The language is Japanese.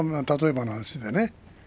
例えばの話でね。